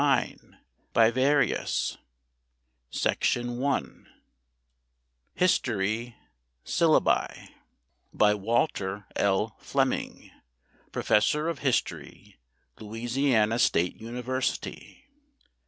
$1.00 a year 15 cents a copy History Syllabi BY WALTER L. FLEMING, PROFESSOR OF HISTORY, LOUISIANA STATE UNIVERSITY.